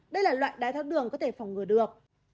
đây là loại đai thác đường có thể phòng ngừa được